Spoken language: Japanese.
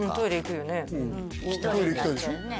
トイレ行きたいんでしょ何？